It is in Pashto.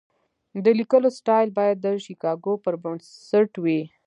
د لیکلو سټایل باید د شیکاګو پر بنسټ وي.